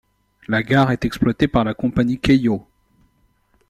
La gare est exploitée par la compagnie Keiō.